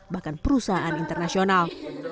bahkan perusahaan internasional